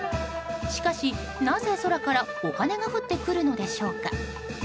しかし、なぜ空からお金が降ってくるのでしょうか。